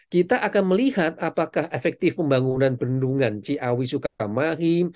kita akan melihat apakah efektif pembangunan bendungan ciawi sukamahi